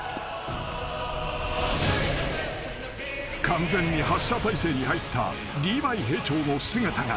［完全に発射体勢に入ったリヴァイ兵長の姿が］